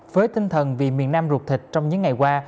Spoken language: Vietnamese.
với tinh thần vì miền nam ruột thịt trong những ngày qua